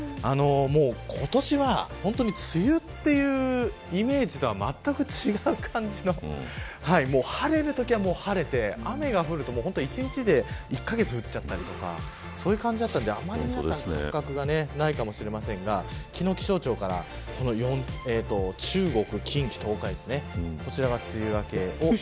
今年は、梅雨というイメージとはまったく違う感じの晴れるときは晴れて雨が降ると１日で１カ月降っちゃったりとかそういう感じだったので昨日、気象庁から中国、近畿、東海こちらが梅雨明け。